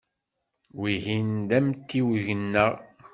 Wihin d amtiweg-nneɣ.